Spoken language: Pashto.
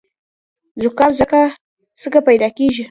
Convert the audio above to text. زکام څنګه پیدا کیږي؟